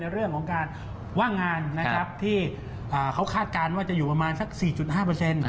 เรื่องของการว่างงานนะครับที่เขาคาดการณ์ว่าจะอยู่ประมาณสัก๔๕เปอร์เซ็นต์